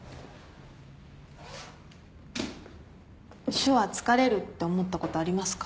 手話疲れるって思ったことありますか？